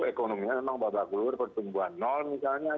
ekonominya memang bapak guru pertumbuhan nol misalnya